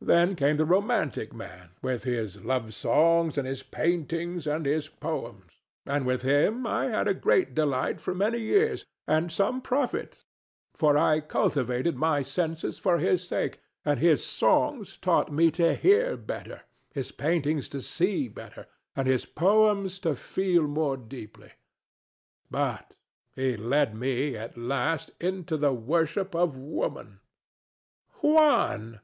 Then came the romantic man, the Artist, with his love songs and his paintings and his poems; and with him I had great delight for many years, and some profit; for I cultivated my senses for his sake; and his songs taught me to hear better, his paintings to see better, and his poems to feel more deeply. But he led me at last into the worship of Woman. ANA. Juan! DON JUAN.